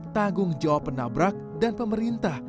tanggung jawab penabrak dan pemerintah